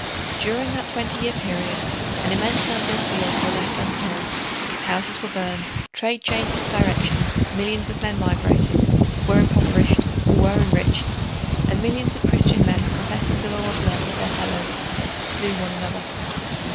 During that twenty year period an immense number of fields were left untilled, houses were burned, trade changed its direction, millions of men migrated, were impoverished, or were enriched, and millions of Christian men professing the law of love of their fellows slew one another.